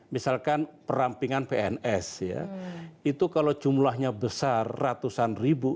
misalkan perampingan pns ya itu kalau jumlahnya besar ratusan ribu